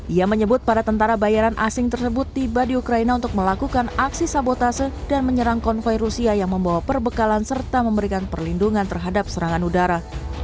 ia menyebut para tentara bayaran asing tersebut tiba di ukraina untuk melakukan aksi sabotase dan menyerang konvoy rusia yang membawa perbekalan serta memberikan perlindungan terhadap serangan udara